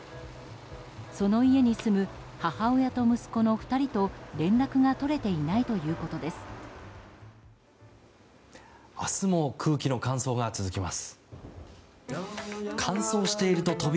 その家に住む母親と息子の２人と連絡が取れていないということです。